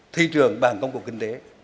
thị trường bàn công của kinh tế